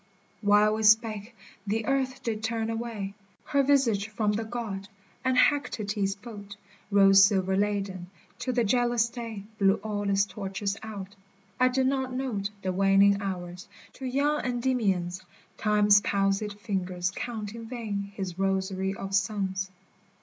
while we spake the earth did turn away Her visage from the God, and Hecate's boat Rose silver laden, till the jealous day Blew all its torches out : I did not note The waning hours, to young Endymions Time's palsied fingers count in vain his rosary of suns